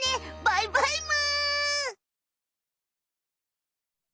バイバイむ！